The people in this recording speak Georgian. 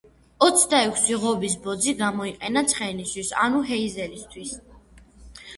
ოცდაექვსი ღობის ბოძი გამოიყენა ცხენისთვის, ანუ ჰეიზელისთვის.